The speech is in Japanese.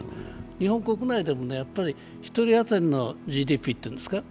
日本国内でも１人当たりのＧＤＰというんですか